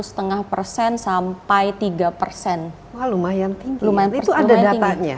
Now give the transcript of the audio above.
wah lumayan tinggi itu ada datanya